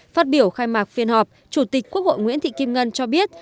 phát biểu khai mạc phiên họp chủ tịch quốc hội nguyễn thị kim ngân cho biết